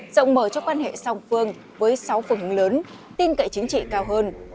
rộng mở cho quan hệ song phương với sáu phương hướng lớn tin cậy chính trị cao hơn